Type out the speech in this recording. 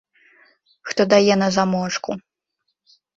Хто дае на замочку?